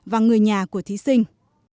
và người nhà của thí sinh